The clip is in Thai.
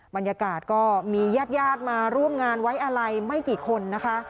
บรรยากาศก็มีญาติญาติมาร่วมงานไว้อะไรไม่กี่คนนะคะ